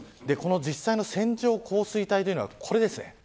実際の線状降水帯というのがこれです。